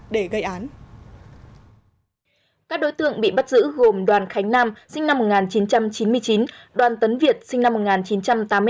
để gây án các đối tượng bị bắt giữ gồm đoàn khánh nam sinh năm một nghìn chín trăm chín mươi chín đoàn tấn việt sinh năm